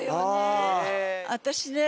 私ね